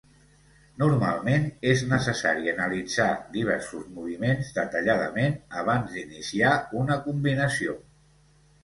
Normalment és necessari analitzar diversos moviments detalladament abans d'iniciar una combinació.